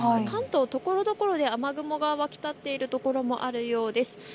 関東ところどころで雨雲が湧き立っているところもあるようです。